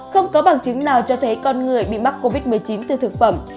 không có bằng chứng nào cho thấy con người bị mắc covid một mươi chín từ thực phẩm